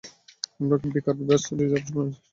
আমরা বেকার রিজার্ভেশন করেছি।